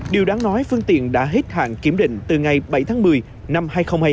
điều đáng nói phương tiện đã hết hạn kiểm định từ ngày bảy tháng một mươi năm hai nghìn hai mươi